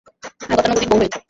গতানুগতিক বউ হয়েছ।